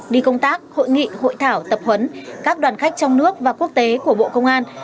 đi công tác hội nghị hội thảo tập huấn các đoàn khách trong nước và quốc tế của bộ công an